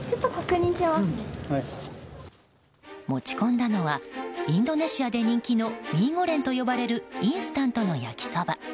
持ち込んだのはインドネシアで人気のミーゴレンと呼ばれるインスタントの焼きそば。